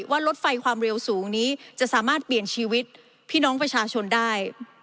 ว่ารถไฟความเร็วสูงนี้จะสามารถเปลี่ยนชีวิตพี่น้องประชาชนได้